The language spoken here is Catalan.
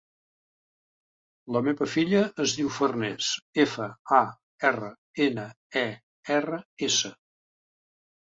La meva filla es diu Farners: efa, a, erra, ena, e, erra, essa.